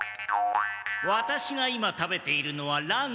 ワタシが今食べているのはランチ。